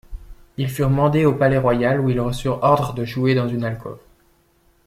Ils furent mandés au Palais-Royal, où ils reçurent ordre de jouer dans une alcôve.